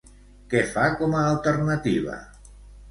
Què fa com a alternativa?